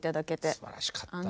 すばらしかった。